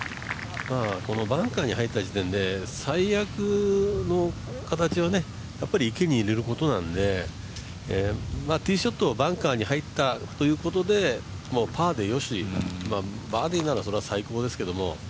このバンカーに入った時点で最悪の形は池に入れることなんでティーショットをバンカーに入ったということでパーで良し、バーディーならそれは最高ですけども。